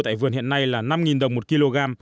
tại vườn hiện nay là năm đồng một kg